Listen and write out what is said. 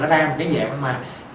nó ra một cái dạng mà một hai